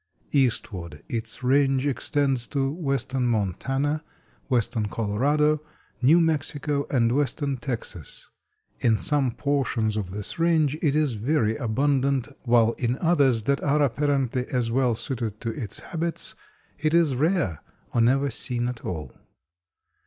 Eastward its range extends to Western Montana, Western Colorado, New Mexico, and Western Texas. In some portions of this range it is very abundant, while in others that are apparently as well suited to its habits it is rare, or never seen at all.